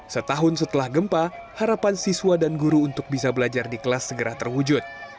setahun setelah gempa harapan siswa dan guru untuk bisa belajar di kelas segera terwujud